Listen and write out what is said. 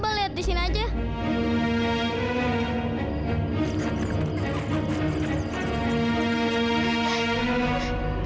saya dari teman temanku